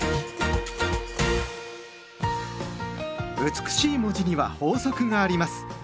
美しい文字には法則があります。